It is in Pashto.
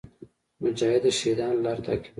مجاهد د شهیدانو لار تعقیبوي.